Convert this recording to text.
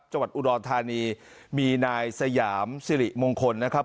จังหวัดอุดรธานีมีนายสยามสิริมงคลนะครับ